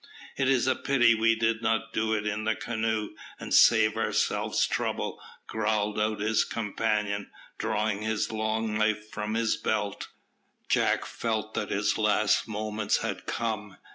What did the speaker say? "It is a pity we did not do it in the canoe, and save ourselves trouble," growled out his companion, drawing his long knife from his belt. Jack felt that his last moments had come.